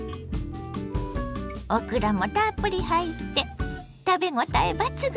オクラもたっぷり入って食べごたえ抜群！